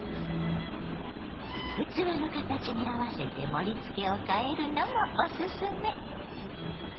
器の形に合わせて盛りつけを変えるのもおすすめ。